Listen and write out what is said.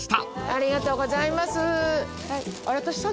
ありがとうございます。